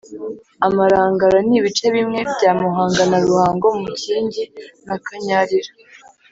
Amarangara Ni ibice bimwe bya Muhanga na Ruhango(Mukingi na Kanyarira)